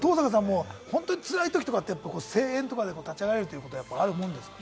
登坂さん、本当につらいときとかって声援とかで立ち上がれるってことあるんですか？